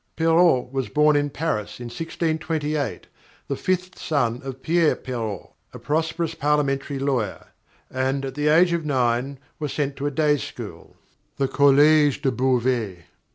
_ _Perrault was born in Paris in 1628, the fifth son of Pierre Perrault, a prosperous parliamentary lawyer; and, at the age of nine, was sent to a day school the Collège de Beauvais.